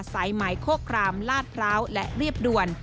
สายไหมโคครามลาดพร้าวและเรียบด่วน